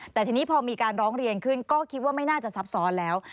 แต่ทีนี้พอมีการร้องเรียนขึ้นก็คิดว่าไม่น่าจะซับซ้อนแล้ว